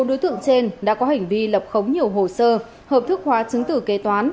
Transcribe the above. bốn đối tượng trên đã có hành vi lập khống nhiều hồ sơ hợp thức hóa chứng tử kế toán